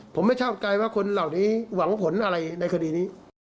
ผมไม่ชอบใจว่าคนเหล่านี้หวังผลอะไรในคดีนี้